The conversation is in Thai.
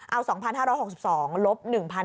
เอา๒๕๖๒ลบ๑๘๔๑